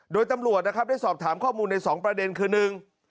โดยตำรวจนะครับได้สอบถามข้อมูลในสองประเด็นคือหนึ่ง